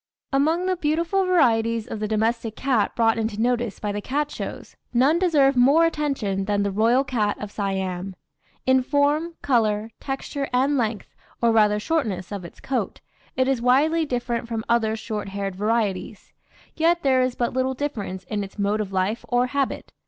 Among the beautiful varieties of the domestic cat brought into notice by the cat shows, none deserve more attention than "The Royal Cat of Siam." In form, colour, texture, and length, or rather shortness of its coat, it is widely different from other short haired varieties; yet there is but little difference in its mode of life or habit.